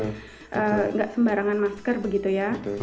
yang gak sembarangan masker begitu ya